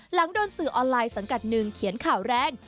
หลังโดนสื่อออนไลน์สังกัดหนึ่งเขียนข่าวแรง